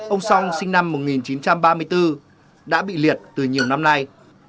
ông song sinh năm một nghìn chín trăm ba mươi bốn đã bị liệt từ nhiều năm nay